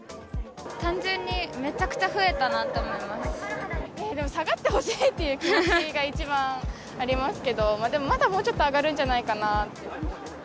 単純に、めちゃくちゃ増えた下がってほしいっていう気持ちが一番ありますけど、でもまだもうちょっと上がるんじゃないかな。